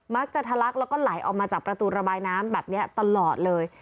ทะลักแล้วก็ไหลออกมาจากประตูระบายน้ำแบบนี้ตลอดเลย